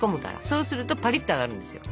そうするとパリッと揚がるんですよ。